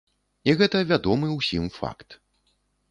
І гэта вядомы ўсім факт.